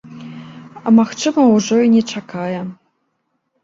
А магчыма, ужо і не чакае.